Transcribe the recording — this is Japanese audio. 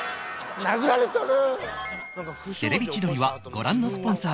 殴られとるぅ！